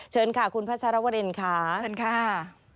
เชิญค่ะคุณพัชรวรินค่ะเชิญค่ะ